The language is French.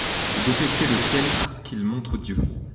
Vous détestez le ciel parce qu’il montre Dieu ;